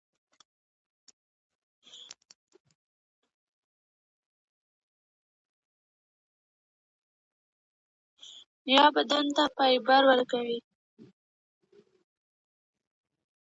آیا پخپله زده کړه د نویو مهارتونو د ترلاسه کولو لاره ده؟